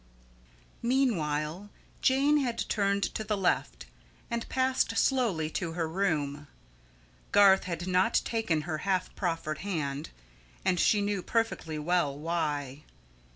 Meanwhile Jane had turned to the left and passed slowly to her room. Garth had not taken her half proffered hand, and she knew perfectly well why.